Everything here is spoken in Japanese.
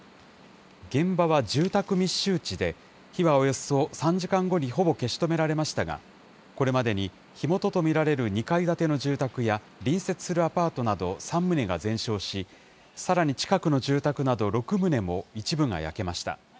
現場は住宅密集地で、火はおよそ３時間後にほぼ消し止められましたが、これまでに火元と見られる２階建ての住宅や、隣接するアパートなど３棟が全焼し、さらに近くの住宅など６棟も一部が焼けました。